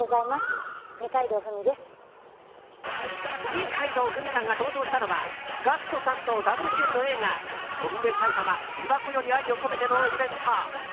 二階堂ふみさんが登場したのはＧＡＣＫＴさんとダブル主演の映画「翔んで埼玉琵琶湖より愛をこめて」のイベント。